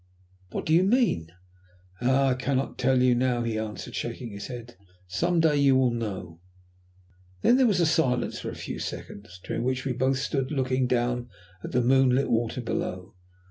"What do you mean?" "Ah! I cannot tell you now," he answered, shaking his head. "Some day you will know." Then there was a silence for a few seconds, during which we both stood looking down at the moonlit water below.